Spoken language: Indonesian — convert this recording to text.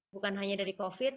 bukan hanya dari covid